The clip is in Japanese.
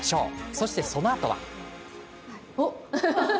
そして、そのあとは。